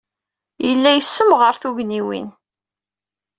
Yella yessemɣar tugniwin.